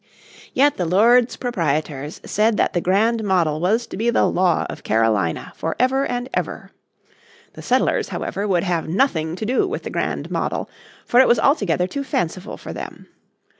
Yet the Lords Proprietors said that the Grand Model was to be the law of Carolina for ever and ever. The settlers however, would have nothing to do with the Grand Model, for it was altogether too fanciful for them.